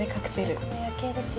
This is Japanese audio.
それにこの夜景ですよ。